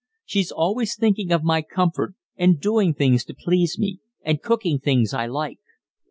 She's always thinking of my comfort, and doing things to please me, and cooking things I like.